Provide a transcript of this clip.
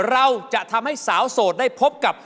เราจะทำให้สาวโสดได้พบกับ